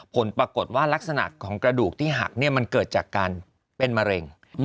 ผลปรากฏว่ารักษณะของกระดูกที่หักมันเกิดจากการเป็นมะเร็ง